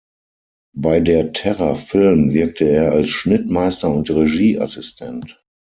Bei der Terra Film wirkte er als Schnittmeister und Regieassistent.